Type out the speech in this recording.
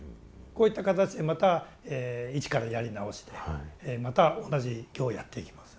こういった形でまた一からやり直しでまた同じ行をやっていきます。